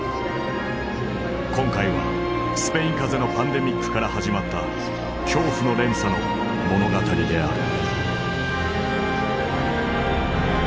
今回はスペイン風邪のパンデミックから始まった恐怖の連鎖の物語である。